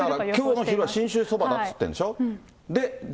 きょうの昼が信州そばだって言っているんでしょう。